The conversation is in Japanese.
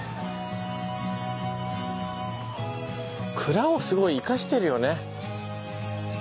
蔵をすごい生かしてるよね。